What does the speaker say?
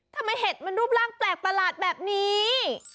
ทำไมเห็ดมันรูปร่างแปลกตลาดแบบนี้